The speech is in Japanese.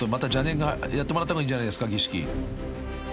［やってもらった方がいいんじゃないですか儀式］